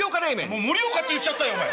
もう盛岡って言っちゃったよお前。